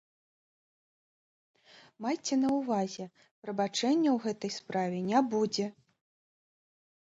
Майце на ўвазе, прабачэння ў гэтай справе не будзе.